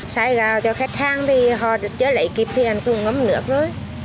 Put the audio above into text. xay gạo cho khách hàng thì họ chưa lấy kịp thì không ngâm nước rồi